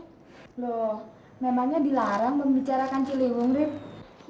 loh memangnya dilarang membicarakan ciliwung rib